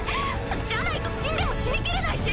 じゃないと死んでも死にきれないし。